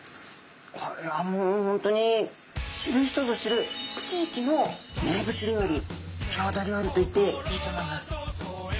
これはもう本当に知る人ぞ知る地域の名物料理郷土料理と言っていいと思います。